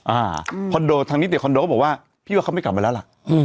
อ่าคอนโดทางนิติคอนโดก็บอกว่าพี่ว่าเขาไม่กลับมาแล้วล่ะอืม